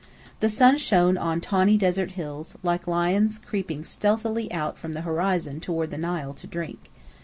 The sun shone on tawny desert hills, like lions creeping stealthily out from the horizon toward the Nile to drink.